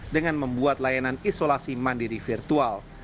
dengan membuat layanan isolasi mandiri virtual